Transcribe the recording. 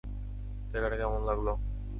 জায়গাটা কেমন লাগল?